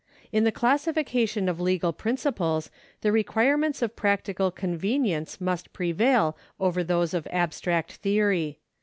In the classification of legal principles the requirements of practical con venience must prevail over those of abstract theory.